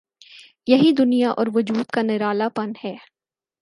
یہی دنیا اور وجود کا نرالا پن ہے۔